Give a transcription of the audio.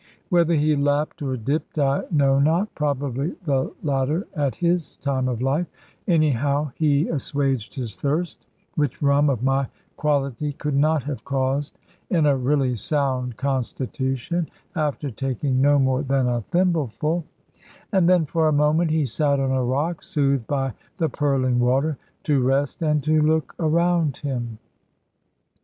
Whether he lapped or dipped, I know not (probably the latter, at his time of life), anyhow he assuaged his thirst which rum of my quality could not have caused in a really sound constitution, after taking no more than a thimbleful and then for a moment he sate on a rock, soothed by the purling water, to rest and to look around him.